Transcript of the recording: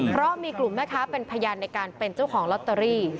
เพราะมีกลุ่มแม่ค้าเป็นพยานในการเป็นเจ้าของลอตเตอรี่